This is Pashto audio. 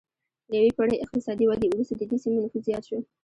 له یوې پېړۍ اقتصادي ودې وروسته د دې سیمې نفوس زیات شو